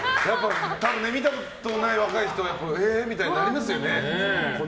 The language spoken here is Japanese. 見たことない若い人はええみたいになりますよね。